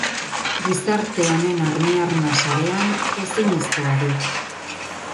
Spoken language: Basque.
Gizarte honen armiarma-sarean ezinezkoa duk...